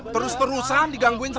terus terusan digangguin